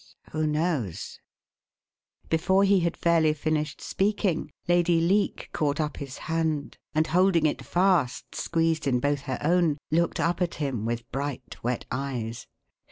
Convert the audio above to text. Who knows?" Before he had fairly finished speaking, Lady Leake caught up his hand, and, holding it fast squeezed in both her own, looked up at him with bright, wet eyes.